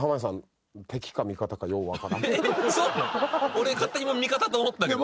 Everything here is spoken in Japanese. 俺勝手に味方と思ってたけど。